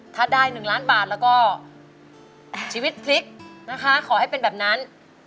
ถ้าได้๑ล้านบาทแล้วก็ชีวิตพลิกนะคะขอให้เป็นแบบนั้น